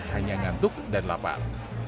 hanya ngantuk dan lapar